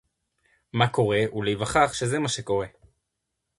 מה קורה, ולהיווכח שזה מה שקורה